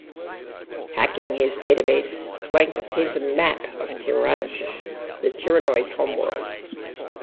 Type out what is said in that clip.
Hacking his database, Clank obtains a map of Tyhrranosis, the Tyhrranoid home world.